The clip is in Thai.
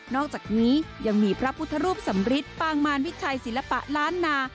อกจากนี้ยังมีพระพุทธรูปสำริทปางมารวิชัยศิลปะล้านนา